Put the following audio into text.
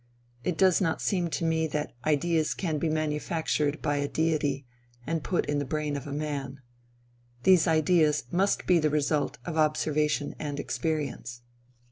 It does not seem to me that ideas can be manufactured by a deity and put in the brain of man. These ideas must be the result of observation and experience.